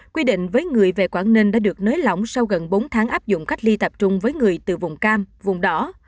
quy định với người về quảng ninh đã được nới lỏng sau gần bốn tháng áp dụng cách ly tập trung với người từ vùng cam vùng đỏ